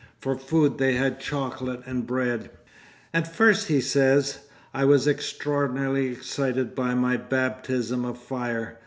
For food they had chocolate and bread. 'At first,' he says, 'I was extraordinarily excited by my baptism of fire.